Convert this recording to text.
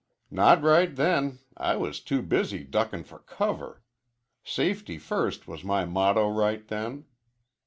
"Not right then. I was too busy duckin' for cover. Safety first was my motto right then.